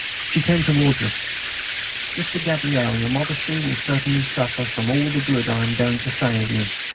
She came towards us. Sister Gabrielle, your modesty will certainly suffer from all the good I am going to say of you....